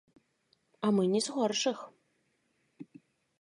А мы не з горшых.